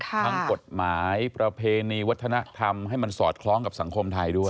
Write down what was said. ทั้งกฎหมายประเพณีวัฒนธรรมให้มันสอดคล้องกับสังคมไทยด้วย